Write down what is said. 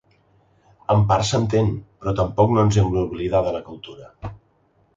En part s’entén, però tampoc no ens hem d’oblidar de la cultura.